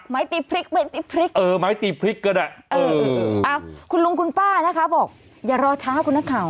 ไม้ตีพริกเธอหลวงคุณลุงคุณป้านะครับอย่ารอช้าคุณนักข่าว